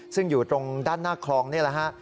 ซึ่งอยู่ตรงด้านหน้าคลองนี่แหละฮะ